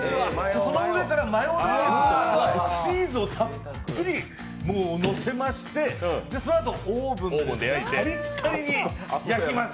その上からマヨネーズとチーズをたっぷりのせまして、そのあとオーブンでカリッカリに焼きます。